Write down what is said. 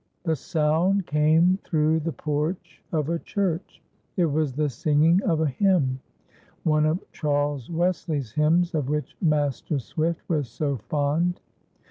The sound came through the porch of a church. It was the singing of a hymn,—one of Charles Wesley's hymns, of which Master Swift was so fond.